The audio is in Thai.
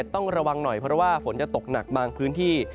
ต้องระวังหน่อยเพราะว่าฝนจะตกหนักบางพื้นที่